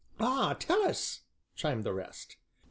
"Ah! tell us," chimed the rest.